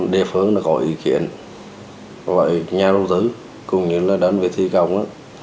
địa phương đã có ý kiến với nhà lưu tứ cùng với đơn vị thi công